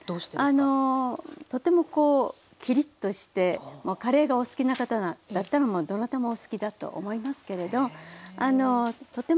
とてもこうキリッとしてカレーがお好きな方だったらどなたもお好きだと思いますけれどとても爽やかで夏にとてもいいと思います。